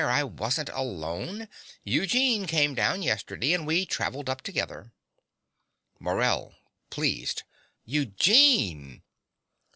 I wasn't alone. Eugene came down yesterday; and we traveled up together. MORELL (pleased). Eugene!